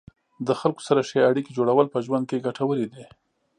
د خلکو سره ښې اړیکې جوړول په ژوند کې ګټورې دي.